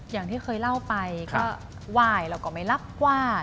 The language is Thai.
อย่างที่เคยเล่าไปก็ไหว้แล้วก็ไม่รับว่า